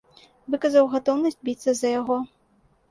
Выказаў гатоўнасць біцца за яго.